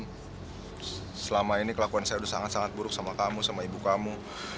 karena selama ini kelakuan saya sudah sangat sangat buruk sama kamu sama ibu kamu